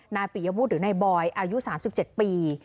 นายปิยบุธหรือนายบอยอายุ๓๗ปี